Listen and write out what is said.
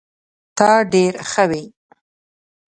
تا ډير ښه وي